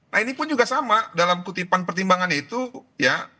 nah ini pun juga sama dalam kutipan pertimbangan itu ya